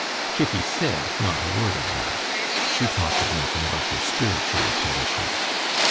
Kitty said not a word of that; she talked of nothing but her spiritual condition.